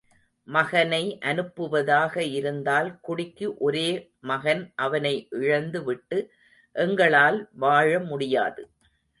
மகனை அனுப்புவதாக இருந்தால் குடிக்கு ஒரே மகன் அவனை இழந்து விட்டு எங்களால் வாழ முடியாது.